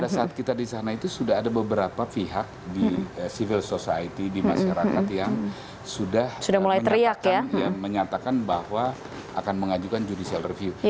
pada saat kita di sana itu sudah ada beberapa pihak di civil society di masyarakat yang sudah menyatakan bahwa akan mengajukan judicial review